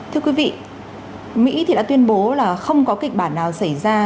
thưa quý vị mỹ thì đã tuyên bố là không có kịch bản nào xảy ra